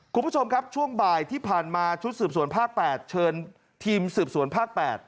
คุณผู้ชมครับช่วงบ่ายที่ผ่านมาชุดสืบสวนภาค๘เชิญทีมสืบสวนภาค๘